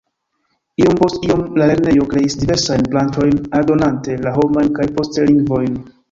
Iom post iom la lernejo kreis diversajn branĉojn aldonante la homajn kaj poste lingvojn.